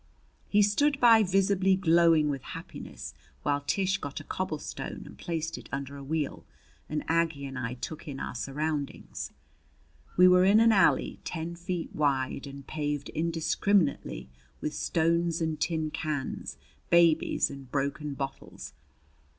He stood by visibly glowing with happiness, while Tish got a cobblestone and placed it under a wheel, and Aggie and I took in our surroundings. We were in an alley ten feet wide and paved indiscriminately with stones and tin cans, babies and broken bottles.